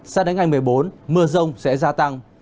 sao đến ngày một mươi bốn mưa rông sẽ gia tăng